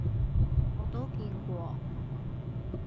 我都見過